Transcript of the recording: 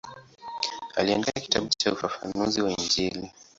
Aliandika kitabu cha ufafanuzi wa Injili.